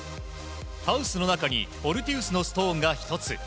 ハウスの中にフォルティウスのストーンが１つ。